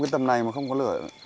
cái tầm này mà không có lửa